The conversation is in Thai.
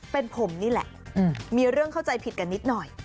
เป็นผมนี่แหละมีเรื่องเข้าใจผิดกันนิดหน่อย